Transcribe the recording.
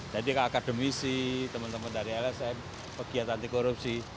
jadi ke akademisi teman teman dari lsm pegiat anti korupsi